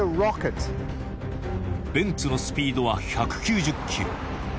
ベンツのスピードは１９０キロ